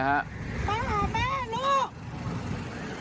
มาหาแม่ลูก